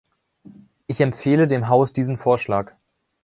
Ich empfehle dem Haus diesen Vorschlag.